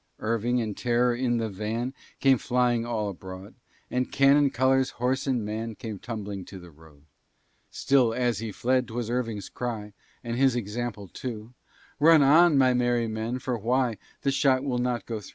Irving and terror in the van, Came flying all abroad; And cannon, colors, horse, and man, Ran tumbling to the road. Still as he fled, 'twas Irving's cry, And his example too, "Run on, my merry men for why? The shot will not go thro'."